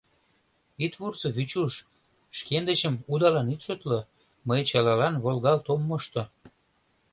— Ит вурсо, Вичуш, шкендычым удалан ит шотло — мый чылалан волгалт ом мошто.